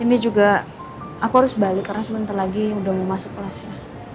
ini juga aku harus balik karena sebentar lagi udah mau masuk kelasnya